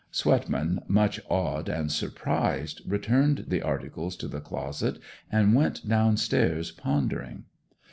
Swetman, much awed and surprised, returned the articles to the closet, and went downstairs pondering.